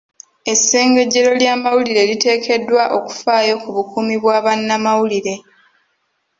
Essengejero ly'amawulire liteekeddwa okufaayo ku bukuumi bwa bannamawulire .